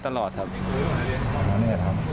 เป็นเรทข้อมือครับน้อง